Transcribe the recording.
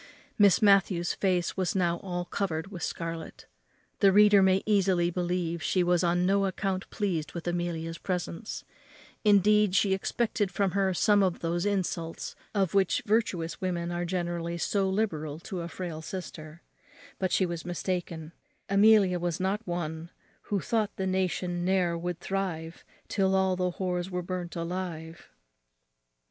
Miss Matthews's face was now all covered with scarlet. The reader may easily believe she was on no account pleased with Amelia's presence; indeed, she expected from her some of those insults of which virtuous women are generally so liberal to a frail sister: but she was mistaken; Amelia was not one Who thought the nation ne'er would thrive, Till all the whores were burnt alive.